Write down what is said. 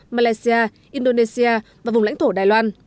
malaysia indonesia và vùng lãnh thổ đài loan